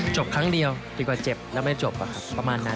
ครั้งเดียวดีกว่าเจ็บแล้วไม่จบประมาณนั้น